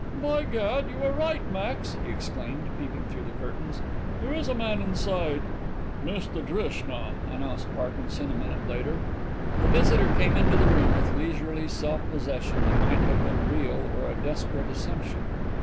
"By gad, you are right, Max!" he exclaimed, peeping through the curtains. "There is a man inside." "Mr Drishna," announced Parkinson, a minute later. The visitor came into the room with leisurely self possession that might have been real or a desperate assumption.